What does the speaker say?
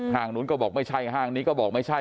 นู้นก็บอกไม่ใช่ห้างนี้ก็บอกไม่ใช่